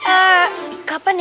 eh kapan ya